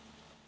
aku tahu korob